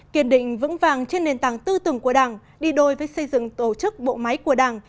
kiên định vững vàng trên nền tảng tư tưởng của đảng đi đôi với xây dựng tổ chức bộ máy của đảng